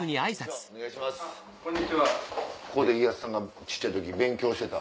ここで家康さんが小っちゃい時勉強してた？